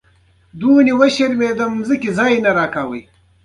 لوگر د افغانستان د سیلګرۍ برخه ده.